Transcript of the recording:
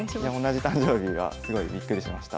同じ誕生日はすごいびっくりしました。